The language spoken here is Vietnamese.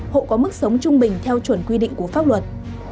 hộ có mức sống trung bình theo chuẩn quy định của pháp luật